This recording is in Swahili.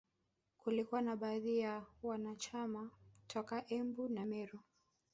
Kulikuwa na baadhi ya wanachama toka Embu na Meru